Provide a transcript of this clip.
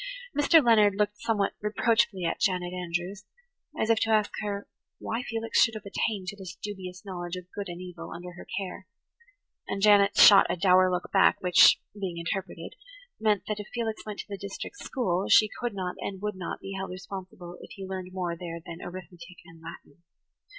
Mr. Leonard looked somewhat reproachfully at Janet Andrews, as if to ask her why Felix should have attained to this dubious knowledge of good and evil under her care; and Janet shot a dour look back which, being interpreted, meant that if Felix went to the district school she could not and would not be held responsible if he learned more there than arithmetic and Latin.